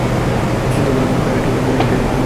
কিন্তু ওগুলো কাটিয়ে ওঠার জন্য এটাই তোমার সুযোগ।